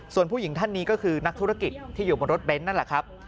ส่วนผู้หญิงท่านนี้ก็คือนักธุรกิจที่อยู่บนรถเบนท์นั่นแหละครับ